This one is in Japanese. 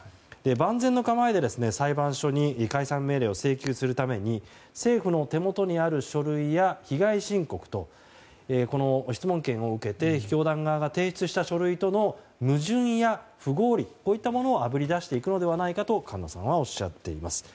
万全の構えで、裁判所に解散命令を請求するために政府の手元にある書類や被害申告と、質問権を受けて教団側が提出した書類との矛盾や不合理をあぶり出していくのではないかと菅野さんはおっしゃっています。